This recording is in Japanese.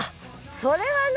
それはな。